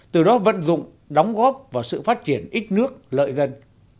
từ đó vận dụng đóng góp vào sự phát triển ít nước lợi dân